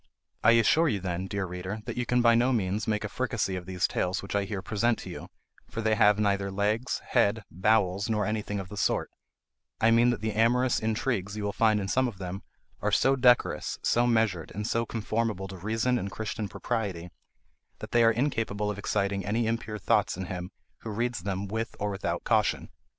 I assure you then, dear reader, that you can by no means make a fricassee of these tales which I here present to you, for they have neither legs, head, bowels, nor anything of the sort; I mean that the amorous intrigues you will find in some of them, are so decorous, so measured, and so conformable to reason and Christian propriety, that they are incapable of exciting any impure thoughts in him who reads them with or without caution.